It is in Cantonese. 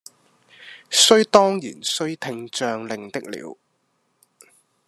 則當然須聽將令的了，